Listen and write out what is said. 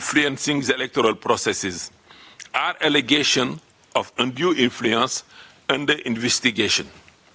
atau penyelidikan penggunaan yang tidak dihapus di bawah penyelidikan